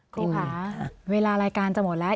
ครูค่ะเวลารายการจะหมดแล้ว